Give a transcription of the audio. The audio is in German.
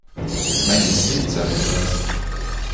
Mein Instinkt sagt mir das.